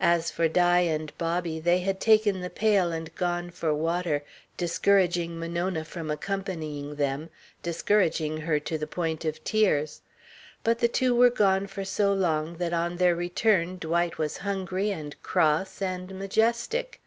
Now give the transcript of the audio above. As for Di and Bobby, they had taken the pail and gone for water, discouraging Monona from accompanying them, discouraging her to the point of tears. But the two were gone for so long that on their return Dwight was hungry and cross and majestic.